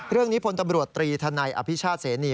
เรื่องนี้พลตำรวจตรีธันัยอภิชาตรเสนี